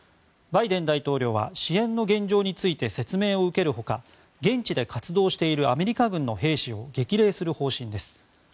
バイデン大統領は支援の現状について説明を受けるほか現地で活動しているアメリカ軍の兵士を激励する方針です。